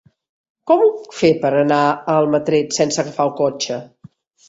Com ho puc fer per anar a Almatret sense agafar el cotxe?